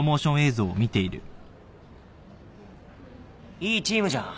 いいチームじゃん。